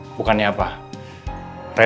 r courtesy dia sendiri ya